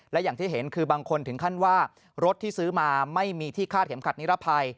และอย่างที่เห็นคือบางคนถึงขั้นว่ารถที่ซื้อมาไม่มีที่คาดเข็มขัดนิรภัย